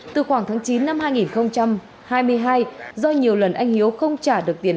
từ khoảng tháng chín năm hai nghìn hai mươi hai do nhiều lần anh hiếu không trả được tiền